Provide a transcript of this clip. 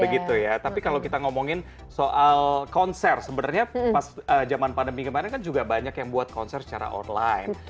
begitu ya tapi kalau kita ngomongin soal konser sebenarnya pas zaman pandemi kemarin kan juga banyak yang buat konser secara online